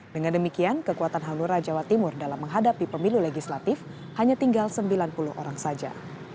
dengan demikian kekuatan hanura jawa timur dalam menghadapi pemilu legislatif hanya tinggal sembilan puluh orang saja